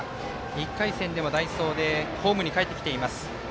１回戦でも代走でホームにかえってきています。